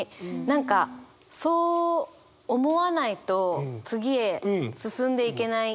何かそう思わないと次へ進んでいけない。